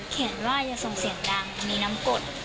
เขียนว่าอย่าส่งเสียงดังมีน้ำกด